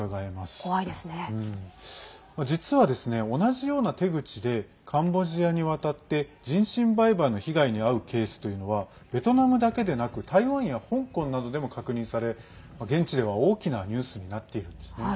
実はですね、同じような手口でカンボジアに渡って人身売買の被害に遭うケースというのはベトナムだけでなく台湾や香港などでも確認され現地では大きなニュースになっているんですね。